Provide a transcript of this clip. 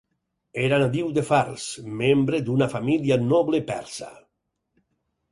Era nadiu de Fars, membre d'una família noble persa.